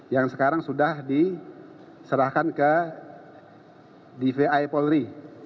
yang sekarang sudah diserahkan ke dvi polri